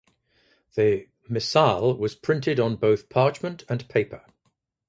The "Missale" was printed on both parchment and paper.